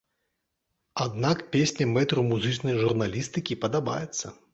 Аднак, песня мэтру музычнай журналістыкі падабаецца!